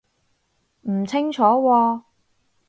唔清楚喎